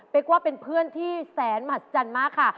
เป๊กว่าเป็นเพื่อนที่แสนหมดจันทร์มากค่ะ